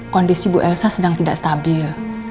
kondisi bu elsa sedang tidak stabil